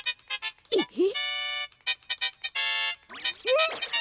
えっ？